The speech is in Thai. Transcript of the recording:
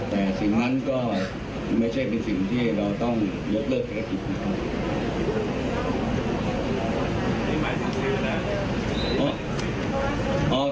แต่สิ่งนั้นก็ไม่ใช่เป็นสิ่งที่เราต้องยกเลิกภารกิจนะครับ